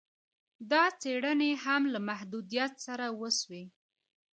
دا څېړني هم له محدویت سره وسوې